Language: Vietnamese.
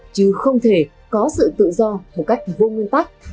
chứ không thể có sự tự do một cách vô nguyên tắc